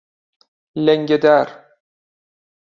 لنگه در